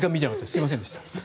すみませんでした。